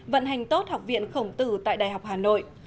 vận hành tốt học viện khổng tử tại đại học hà nội